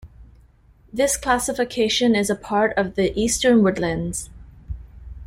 This classification is a part of the Eastern Woodlands.